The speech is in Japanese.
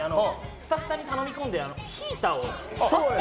スタッフさんに頼み込んでヒーターを。